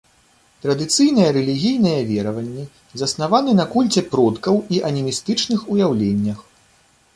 Традыцыйныя рэлігійныя вераванні заснаваны на кульце продкаў і анімістычных уяўленнях.